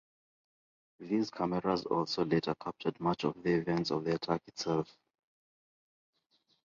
These cameras also later captured much of the events of the attack itself.